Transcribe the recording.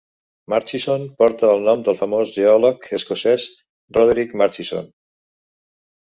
Murchison porta el nom del famós geòleg escocès Roderick Murchison.